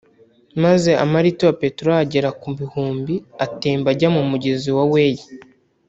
maze amalitiro ya peteroli agera ku bihumbi atemba ajya mu mugezi wa Wei